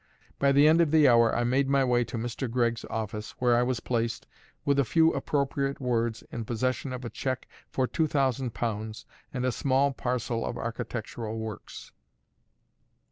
By the end of the hour I made my way to Mr. Gregg's office, where I was placed, with a few appropriate words, in possession of a cheque for two thousand pounds and a small parcel of architectural works.